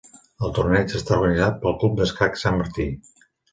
El torneig està organitzat pel Club Escacs Sant Martí.